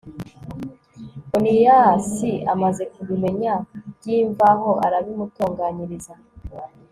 oniyasi amaze kubimenya by'imvaho arabimutonganyiriza